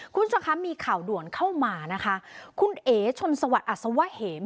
คุณช่วยครับมีข่าวด่วนเข้ามานะคะคุณเอชลสวัสดิ์อัสสวเหมภ์